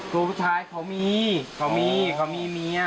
ตัวผู้ชายเขามีเขามีเมีย